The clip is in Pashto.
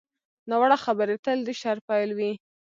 ناوړه خبرې تل د شر پیل وي